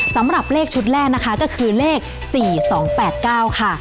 สำหรับเลขชุดแรกนะคะก็คือเลข๔๒๘๙ค่ะ